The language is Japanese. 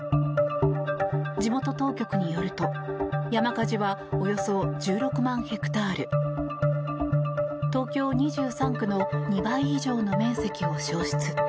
地元当局によると山火事はおよそ１６万ヘクタール東京２３区の２倍以上の面積を焼失。